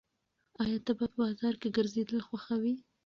ایا ته په باران کې ګرځېدل خوښوې؟